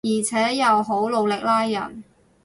而且又好努力拉人